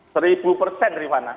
seribu persen rifana